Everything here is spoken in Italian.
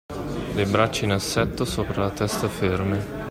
Le braccia in assetto sopra la testa ferme